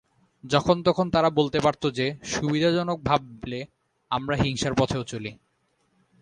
যখন-তখন তারা বলতে পারত যে, সুবিধাজনক ভাবলে আমরা হিংসার পথেও চলি।